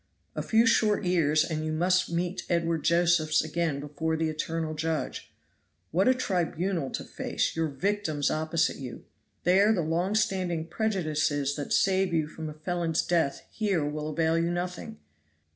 A few short years and you must meet Edward Josephs again before the eternal Judge. What a tribunal to face, your victims opposite you! There the long standing prejudices that save you from a felon's death here will avail you nothing.